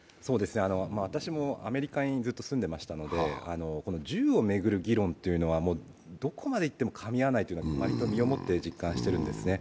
私もアメリカにずっと住んでましたので銃を巡る議論というのはどこまでいってもかみ合わないということを身をもって実感しているんですね。